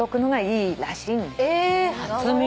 初耳。